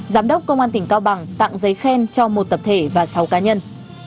giám đốc công an tỉnh cao bằng tặng giấy khen cho một tập thể và sáu cá nhân